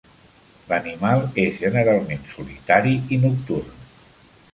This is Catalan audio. L'animal és generalment solitari i nocturn.